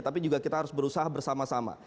tapi juga kita harus berusaha bersama sama